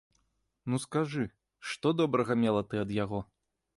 Ну, скажы, што добрага мела ты ад яго?